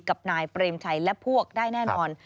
กับนายเปรมชัยและพวกได้แน่นอน